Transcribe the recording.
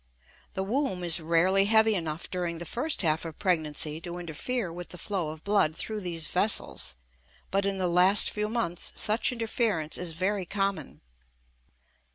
The womb is rarely heavy enough during the first half of pregnancy to interfere with the flow of blood through these vessels, but in the last few months such interference is very common.